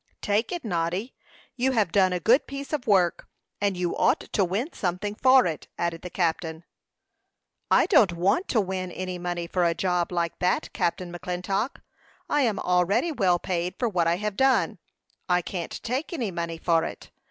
"Take it, Noddy. You have done a good piece of work, and you ought to win something for it," added the captain. "I don't want to win any money for a job like that, Captain McClintock. I am already well paid for what I have done. I can't take any money for it.